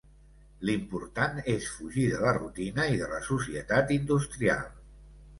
L'important és fugir de la rutina i de la societat industrial.